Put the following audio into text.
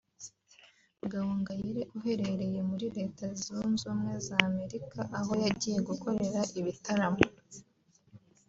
Gahongayire uherereye muri Leta Zunze Ubumwe za Amerika aho yagiye gukorera ibitaramo